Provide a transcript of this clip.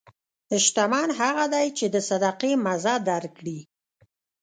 شتمن هغه دی چې د صدقې مزه درک کړي.